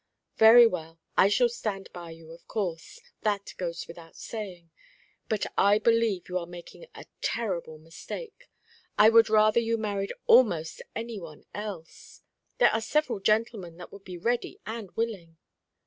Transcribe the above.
"Very well, I shall stand by you, of course. That goes without saying. But I believe you are making a terrible mistake. I would rather you married almost any one else. There are several gentlemen that would be ready and willing."